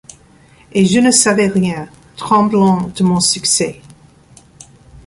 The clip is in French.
Et je ne. savais rien, tremblant de mon succès